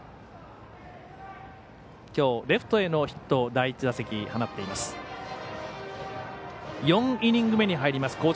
きょうレフトへのヒットを第１打席放っています。